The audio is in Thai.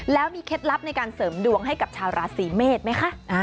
แล้วมีเคล็ดลับในการเสริมดวงให้กับชาวราศีเมษไหมคะ